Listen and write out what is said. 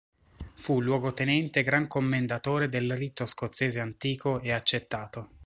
Fu Luogotenente gran commendatore del Rito scozzese antico e accettato.